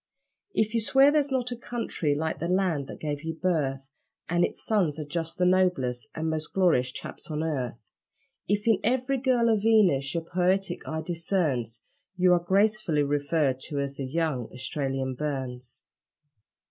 If you swear there's not a country like the land that gave you birth, And its sons are just the noblest and most glorious chaps on earth; If in every girl a Venus your poetic eye discerns, You are gracefully referred to as the 'young Australian Burns'.